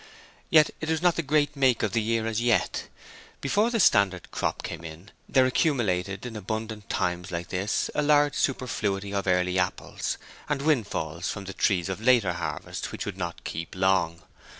Yet it was not the great make of the year as yet; before the standard crop came in there accumulated, in abundant times like this, a large superfluity of early apples, and windfalls from the trees of later harvest, which would not keep long.